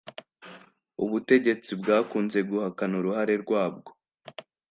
ubutegetsi bwakunze guhakana uruhare rwabwo